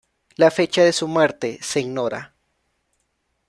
La fecha de su muerte se ignora.